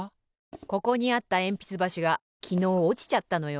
ここにあったえんぴつばしがきのうおちちゃったのよ。